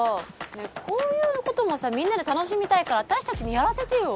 ねえこういうこともさみんなで楽しみたいから私たちにやらせてよ！